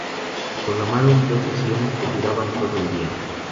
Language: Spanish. Se programaron dos sesiones que duraban todo el día.